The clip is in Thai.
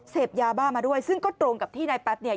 เสพยาบ้ามาด้วยซึ่งก็ตรงกับที่นายแป๊บเนี่ย